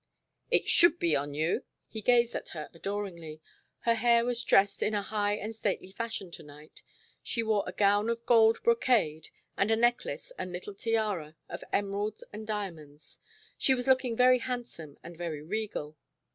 "It should be on you!" He gazed at her adoringly. Her hair was dressed in a high and stately fashion to night. She wore a gown of gold brocade and a necklace and little tiara of emeralds and diamonds; she was looking very handsome and very regal.